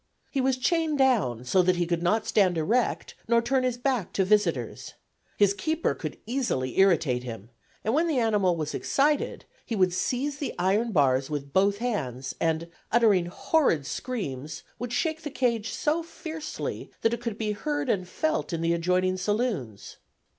He was chained down, so that he could not stand erect, nor turn his back to visitors. His keeper could easily irritate him, and when the animal was excited, he would seize the iron bars with both hands, and, uttering horrid screams, would shake the cage so fiercely that it could be heard and "felt" in the adjoining saloons.